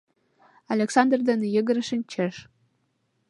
Александр дене йыгыре шинчеш.